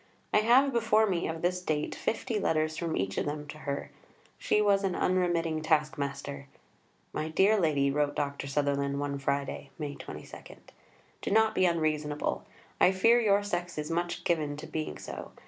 I have before me, of this date, fifty letters from each of them to her. She was an unremitting task master. "My dear Lady," wrote Dr. Sutherland one Friday (May 22), "do not be unreasonable. I fear your sex is much given to being so.